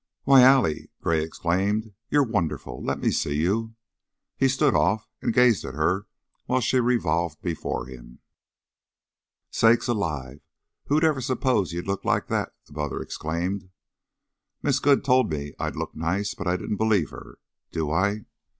"Why, Allie!" Gray exclaimed. "You're wonderful! Let me see you." He stood off and gazed at her while she revolved before him. "Sakes alive! Who'd ever s'pose you'd look like that!" the mother exclaimed. "Miss Good told me I'd look nice, but I didn't believe her. Do I?"